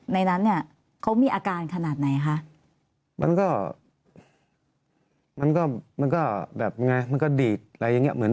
ในนั้นเนี่ยเขามีอาการขนาดไหนคะมันก็มันก็แบบไงมันก็ดีดอะไรอย่างเงี้เหมือน